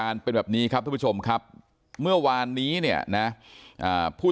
เป็นแบบนี้ครับทุกผู้ชมครับเมื่อวานนี้เนี่ยนะผู้